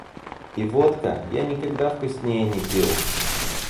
И водка — я никогда вкуснее не пил!